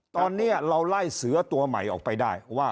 ตอนนี้เราไล่เสือตัวใหม่ออกไปได้ว่า